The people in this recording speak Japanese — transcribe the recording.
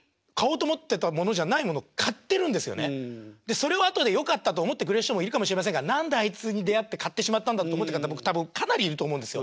それを後でよかったと思ってくれる人もいるかもしれませんが何であいつに出会って買ってしまったんだって思ってる方僕かなりいると思うんですよ。